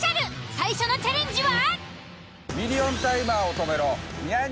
最初のチャレンジは？